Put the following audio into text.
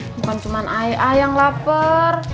bukan cuma ai ai yang laprrr